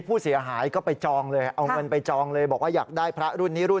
ผู้เสียหายต้องเดินทางข้ามจังหวัด๕๐๐กว่ากิโล